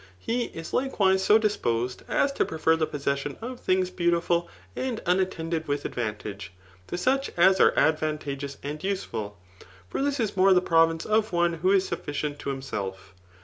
He is likewise so dis ^posed, as to prefer the possesion of things beautiful and tmattended vith adrantage, to such as are advantageous and useful ; for this is more the province of one who is sufficient to himself.